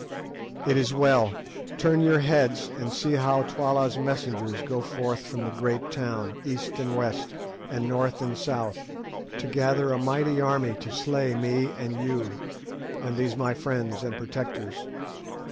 "It is well. Turn your heads and see how Twala's messengers go forth from the great town, east and west, and north and south, to gather a mighty army to slay me and you, and these my friends and protectors.